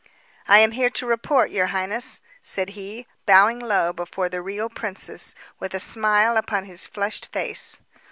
"I am here to report, your highness," said he, bowing low before the real princess, with a smile upon his flushed face.